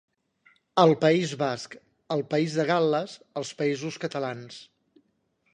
El País Basc, el País de Gal·les, els Països Catalans.